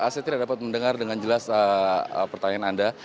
saya tidak dapat mendengar dengan jelas pertanyaan anda